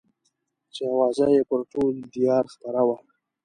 چې اوازه يې پر ټول ديار خپره وه.